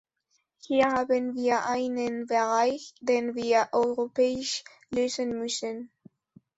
Hier haben wir einen Bereich, den wir europäisch lösen müssen.